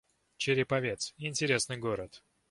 Череповец — интересный город